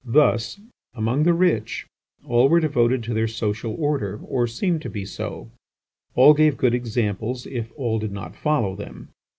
Thus, among the rich, all were devoted to their social order, or seemed to be so; all gave good examples, if all did not follow them.